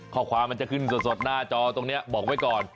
ข้อความมันจะขึ้นสดหน้าจอตรงนี้บอกไว้ก่อน